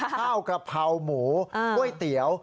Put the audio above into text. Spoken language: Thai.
ข้าวกระเพราหมูก๋วยเตี๋ยว